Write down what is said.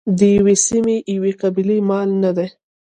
د یوې سیمې یوې قبیلې مال نه دی.